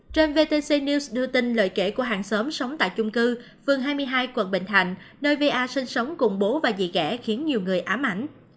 trên vtc news đưa tin lời kể của hàng xóm sống sống tại chung cư vương hai mươi hai quận bình thạnh nơi va sinh sống cùng bố và dị kẻ khiến nhiều người ám ảnh